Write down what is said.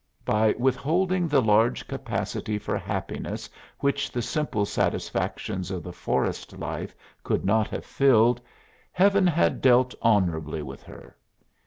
By withholding the large capacity for happiness which the simple satisfactions of the forest life could not have filled, Heaven had dealt honorably with her.